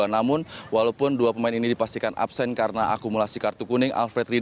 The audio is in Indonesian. namun walaupun dua pemain ini dipastikan absen karena akumulasi kartu kuning